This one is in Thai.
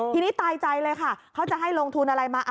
ทีนี้ตายใจเลยค่ะเขาจะให้ลงทุนอะไรมา